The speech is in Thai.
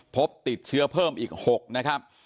พบติดเชื้อเพิ่มอีก๖นะครับ